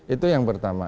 itu yang pertama